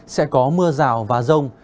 sẽ có mưa rào và rông